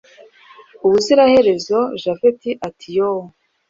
ubuzira herezo japhet ati yooh